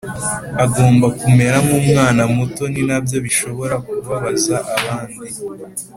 agomba kumera nk’umwana muto ni nabyo bishobora kubabaza abandi